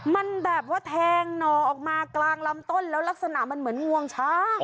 มันแบบว่าแทงหน่อออกมากลางลำต้นแล้วลักษณะมันเหมือนงวงช้าง